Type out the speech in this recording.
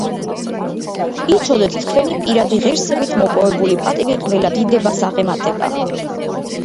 იცოდეთ, თქვენი პირადი ღირსებით მოპოვებული პატივი ყველა დიდებას აღემატება.